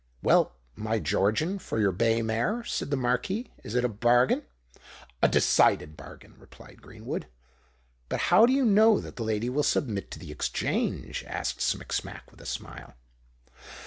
"Well—my Georgian for your bay mare?" said the Marquis. "Is it a bargain?" "A decided bargain," replied Greenwood. "But how do you know that the lady will submit to the exchange?" asked Smicksmack, with a smile.